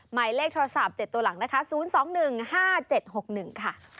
หมายเลขโทรศัพท์๗ตัวหลังนะคะ๐๒๑๕๗๖๑ค่ะ